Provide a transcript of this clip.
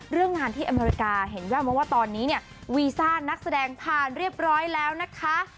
เรื่องงานที่อเมริกาเห็นแววมาว่าตอนนี้เนี่ยวีซ่านักแสดงผ่านเรียบร้อยแล้วนะคะ